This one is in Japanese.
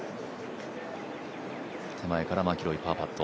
手前からマキロイ、パーパット。